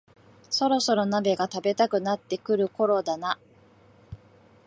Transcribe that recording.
そろそろ鍋が食べたくなってくるころだな